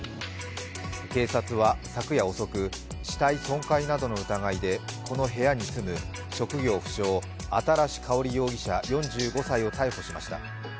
警察は昨夜遅く、死体損壊などの疑いで、この部屋に住む職業不詳・新かほり容疑者４５歳を逮捕しました。